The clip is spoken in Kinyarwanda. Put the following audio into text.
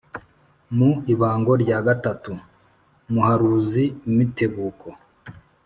mu ibango rya gatatu muharuzi mitebuko;